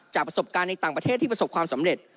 ประสบการณ์ในต่างประเทศที่ประสบความสำเร็จ